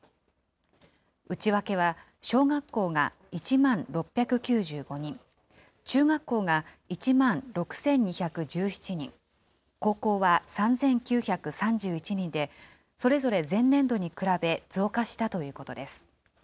内訳は小学校が１万６９５人、中学校が１万６２１７人、高校は３９３１人で、それぞれ前年度に比べ増加したということです。